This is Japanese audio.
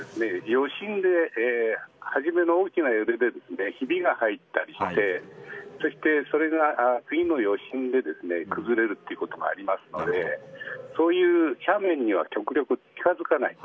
余震で初めの大きな揺れでひびが入ったりしてそれが次の余震でですね崩れるということもありますのでそういう斜面には極力近づかない。